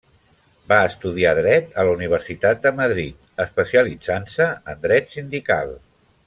Va estudiar dret a la Universitat de Madrid, especialitzant-se en dret sindical.